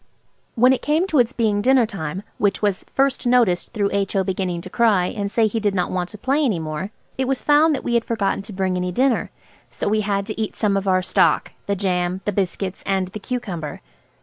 When it came to its being dinner time, which was first noticed through H.O. beginning to cry and say he did not want to play any more, it was found that we had forgotten to bring any dinner. So we had to eat some of our stock–the jam, the biscuits, and the cucumber.